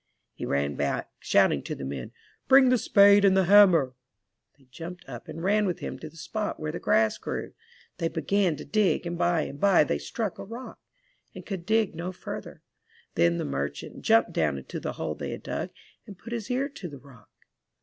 He ran back, shouting to the men, Bring the spade and the hammer!" They jumped up and ran with him to the spot where the grass grew. They began to dig and by and by they struck a rock and could dig no further. Then the merchant jumped down into the hole they had dug, and put his ear to the rock.